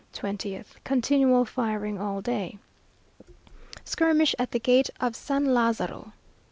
20th, continual firing all day. Skirmish at the gate of San Lazaro.